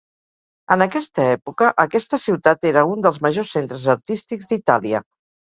En aquesta època aquesta ciutat era un dels majors centres artístics d'Itàlia.